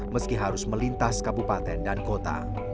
meski harus melintas kabupaten dan kota